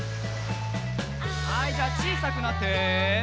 はいじゃあちいさくなって。